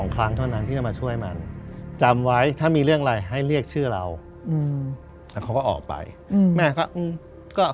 ครั้งเท่านั้นที่จะมาช่วยมันจำไว้ถ้ามีเรื่องอะไรให้เรียกชื่อเราแล้วเขาก็ออกไปแม่ก็